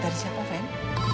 dari siapa fen